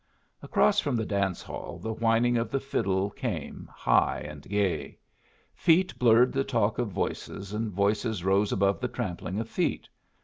Across from the dance hall the whining of the fiddle came, high and gay; feet blurred the talk of voices, and voices rose above the trampling of feet.